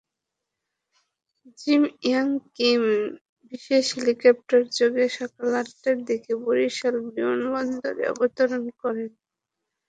Gym Yong Kim বিশেষ হেলিকপ্টারযোগে সকাল আটটার দিকে বরিশাল বিমানবন্দরে অবতরণ করবেন।